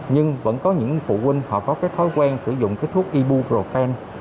nhưng vẫn có những phụ huynh họ có cái thói quen sử dụng cái thuốc ibuprofen